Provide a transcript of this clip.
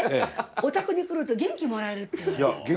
「おたくに来ると元気もらえる」って言われる。